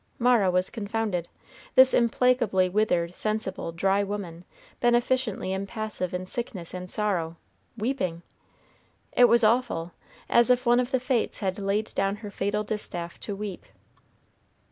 Mara was confounded. This implacably withered, sensible, dry woman, beneficently impassive in sickness and sorrow, weeping! it was awful, as if one of the Fates had laid down her fatal distaff to weep.